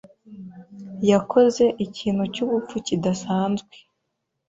yakoze ikintu cyubupfu kidasanzwe.